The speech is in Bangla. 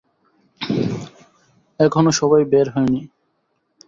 এখনো সবাই বের হয়নি।